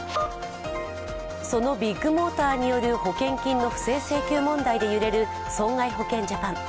そのビッグモーターによる保険金の不正請求問題で揺れる損害保険ジャパン。